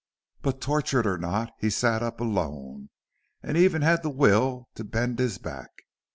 But tortured or not, he sat up alone, and even had the will to bend his back.